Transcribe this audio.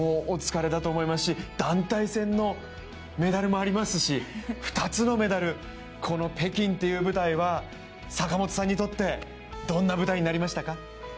お疲れだと思いますし団体戦のメダルもありますし２つのメダル、この北京という舞台は坂本さんにとってどんな舞台になりましたか。